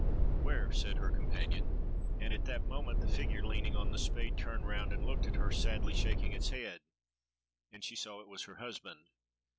"Where?" said her companion; and at that moment the figure leaning on the spade turned round and looked at her, sadly shaking its head, and she saw it was her husband.